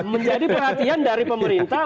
menjadi perhatian dari pemerintah